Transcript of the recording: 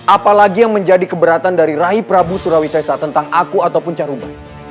apalagi yang menjadi keberatan dari rahi prabu surawi sesa tentang aku ataupun caruba